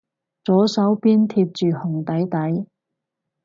左手邊貼住紅底底